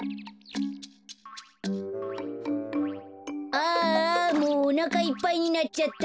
ああもうおなかいっぱいになっちゃった。